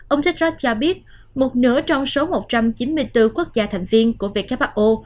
ông serge cho biết một nửa trong số một trăm chín mươi bốn quốc gia thành viên của who